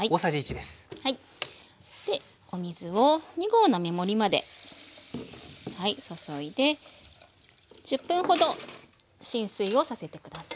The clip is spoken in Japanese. でお水を２合の目盛りまで注いで１０分ほど浸水をさせて下さい。